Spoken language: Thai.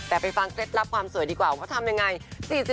แต่ไปฟังเคล็ดลับความสวยดีกว่าว่าเขาทำยังไง